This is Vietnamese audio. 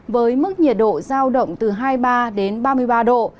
với mức nhiệt độ giao động từ hai mươi ba đến ba mươi ba độ